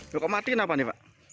kok mati ini apa nih pak